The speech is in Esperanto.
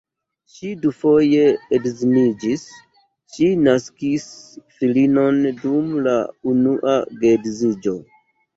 Ŝi dufoje edziniĝis, ŝi naskis filinon dum la unua geedziĝo.